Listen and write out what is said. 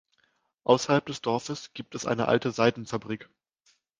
Außerhalb des Dorfes gibt es eine alte Seidenfabrik.